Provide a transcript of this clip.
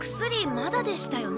まだでしたよね？